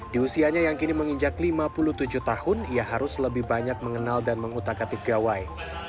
di usianya yang kini menginjak lima puluh tujuh tahun ia harus lebih banyak mengenal dan mengutak atik gawai